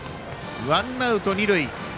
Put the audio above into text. ワンアウト、二塁。